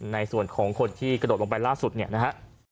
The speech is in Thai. ในส่วนของคนที่กระโดดลงไปล่าสุดเนี่ยนะฮะ